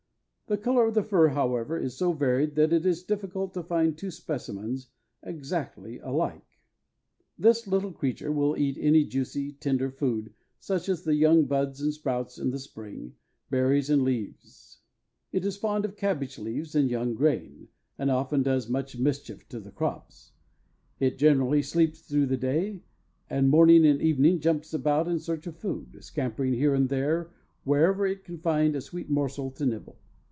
The color of the fur, however, is so varied that it is difficult to find two specimens exactly alike. [Illustration: HUNTING FOR SUPPER.] This little creature will eat any juicy, tender food, such as the young buds and sprouts in the spring, berries, and leaves. It is fond of cabbage leaves and young grain, and often does much mischief to the crops. It generally sleeps through the day, and morning and evening jumps about in search of food, scampering here and there wherever it can find a sweet morsel to nibble.